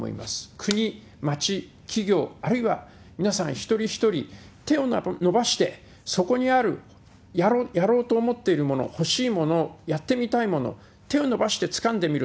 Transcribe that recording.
国、町、企業、あるいは皆さん一人一人、手を伸ばしてそこにある、やろうと思っているもの、欲しいもの、やってみたいもの、手を伸ばしてつかんでみる。